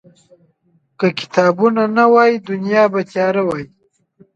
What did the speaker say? که کتابونه نه وي، دنیا به تیاره وي.